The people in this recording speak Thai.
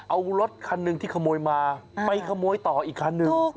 เอารถคันหนึ่งที่ขโมยมาไปขโมยต่ออีกคันหนึ่ง